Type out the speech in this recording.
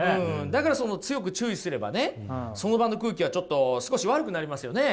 だからその強く注意すればねその場の空気はちょっと少し悪くなりますよね？